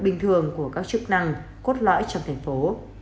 bình thường của các chức năng cốt lõi trong thành phố